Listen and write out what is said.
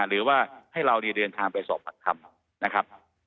หรือว่าให้เราและเดินทางไปสอบปากคำ